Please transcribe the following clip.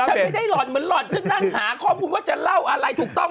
แกหาข้อมูลอยู่